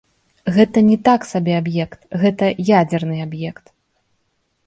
Гэта не так сабе аб'ект, гэта ядзерны аб'ект.